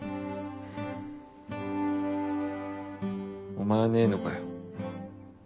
お前はねえのかよ。